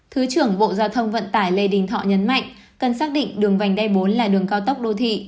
thứ trưởng bộ giao thông vận tải lê đình thọ nhấn mạnh cần xác định đường vành đai bốn là đường cao tốc đô thị